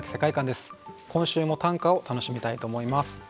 今週も短歌を楽しみたいと思います。